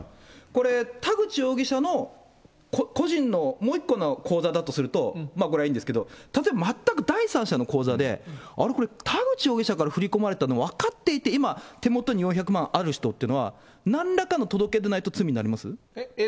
これ、田口容疑者の個人のもう一個の口座だとすると、これはいいんですけど、例えば、全く第三者の口座で、これ、田口容疑者から振り込まれたの分かっていて、今、手元に４００万ある人っていうのは、なんらかの届け出ないと罪になります？